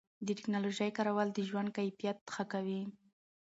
د ټکنالوژۍ کارول د ژوند کیفیت ښه کوي.